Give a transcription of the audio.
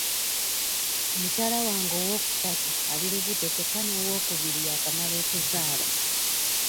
Mukyala wange owookusatu ali lubuto kyokka n'owookubiri yakamala okuzaala.